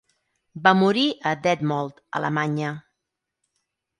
Va morir a Detmold, Alemanya.